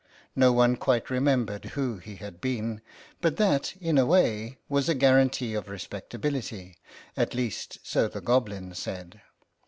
No one quite remembered who he had been, but that in a way was a guaran tee of respectability. At least so the Goblin said.